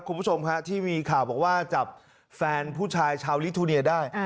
คุณผู้ชมฮะที่มีข่าวบอกว่าจับแฟนผู้ชายชาวลิทูเนียได้